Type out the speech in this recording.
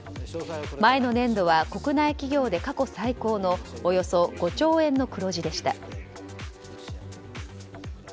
前の年度は国内企業で過去最高のおよそ５兆円の黒字でした。